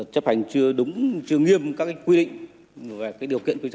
còn chưa được xử lý kịp thời